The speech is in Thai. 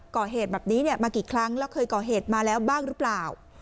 ก่อเหตุแบบนี้มากี่ครั้งแล้วเคยก่อเหตุมาแล้วบ้างหรือเปล่า